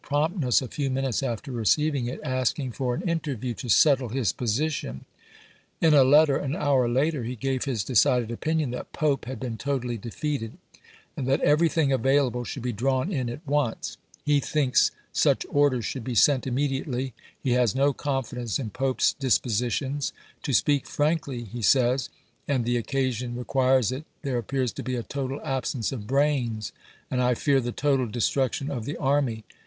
promptness a few minutes after receiving it, ask p. 773. ■' ing for an interview to settle his position. In a Ibid. letter an hour later he gave his decided opinion that Pope had been totally defeated, and that every thing available should be drawn in at once; he thinks such orders should be sent immediately ; he has no confidence in Pope's dispositions ;" to speak frankly," he says, — "and the occasion requkesit, — there appears to be a total absence of brains, and I fear the total destruction of the army."